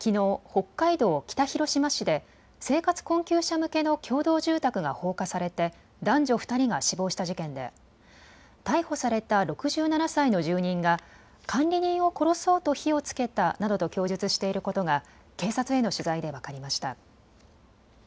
北海道北広島市で生活困窮者向けの共同住宅が放火されて男女２人が死亡した事件で逮捕された６７歳の住人が管理人を殺そうと火をつけたなどと供述していることが警察への取材で分かりました。